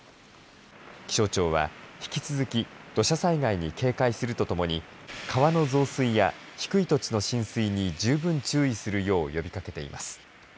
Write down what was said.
気象庁は、引き続き土砂災害に警戒するとともに川の増水や低い土地の浸水に十分、注意するよう呼びかけています。